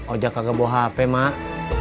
udah kakak ga bawa hp mak